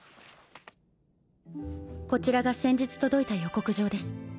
こちらが先日届いた予告状です。